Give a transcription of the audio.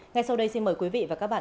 ngay sau đây xin mời quý vị và các bạn